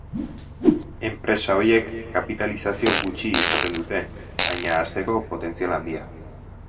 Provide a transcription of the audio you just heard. Enpresa horiek kapitalizazio gutxi izaten dute, baina hazteko potentzial handia.